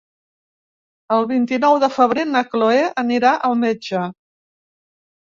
El vint-i-nou de febrer na Cloè anirà al metge.